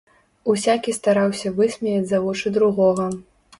Усякі стараўся высмеяць за вочы другога.